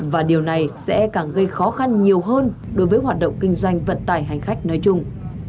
và điều này sẽ càng gây khó khăn nhiều hơn đối với hoạt động kinh doanh vận tải hành khách nói chung